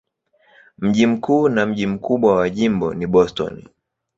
Mji mkuu na mji mkubwa wa jimbo ni Boston.